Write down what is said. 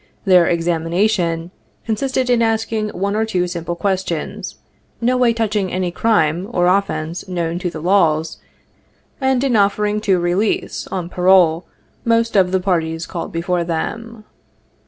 Their "examina tion" consisted in asking one or two simple questions no way touching any crime or offence known to the laws, and in offering to release, on parole, most of the parties called before them.